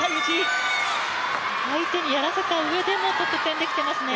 相手にやらせたうえでの得点できてますね。